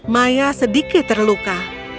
maya sedikit terluka